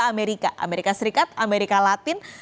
amerika amerika serikat amerika latin